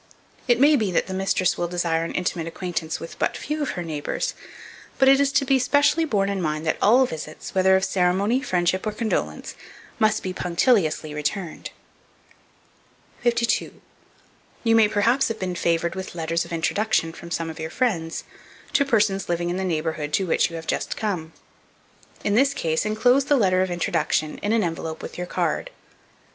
It may be, that the mistress will desire an intimate acquaintance with but few of her neighbours; but it is to be specially borne in mind that all visits, whether of ceremony, friendship, or condolence, should be punctiliously returned. 52. YOU MAY PERHAPS HAVE BEEN FAVOURED with letters of introduction from some of your friends, to persons living in the neighbourhood to which you have just come. In this case inclose the letter of introduction in an envelope with your card.